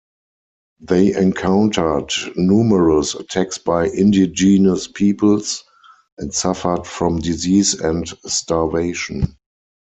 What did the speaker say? They encountered numerous attacks by indigenous peoples and suffered from disease and starvation.